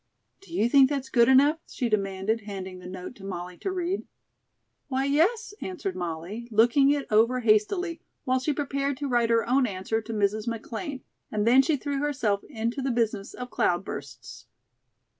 "Do you think that's good enough?" she demanded, handing the note to Molly to read. "Why, yes," answered Molly, looking it over hastily while she prepared to write her own answer to Mrs. McLean, and then she threw herself into the business of "cloud bursts."